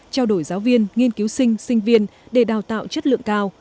trao đổi giáo viên nghiên cứu sinh sinh viên để đào tạo chất lượng cao